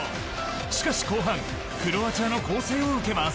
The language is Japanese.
しかし後半クロアチアの攻勢を受けます。